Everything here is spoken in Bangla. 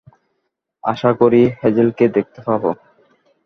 আশা করি হ্যাজেলকে দেখতে পাব।